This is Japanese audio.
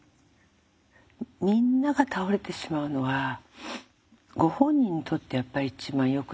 みんなが倒れてしまうのはご本人にとってやっぱり一番よくないですもんね。